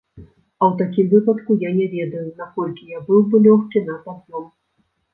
А ў такім выпадку я не ведаю, наколькі я быў бы лёгкі на пад'ём.